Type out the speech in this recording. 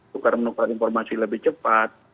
tukar menukar informasi lebih cepat